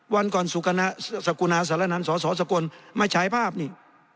วันก่อนสกุณาสารนันสสกลมาฉายภาพนี่